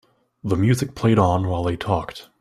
The music played on while they talked.